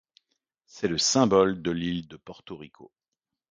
C'est le symbole de l'île de Porto Rico.